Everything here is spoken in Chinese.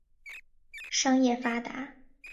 商业发达。